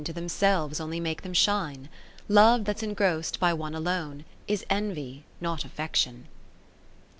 To themselves only make them shine ? Love that 's engross'd by one alone, Is envy, not affection.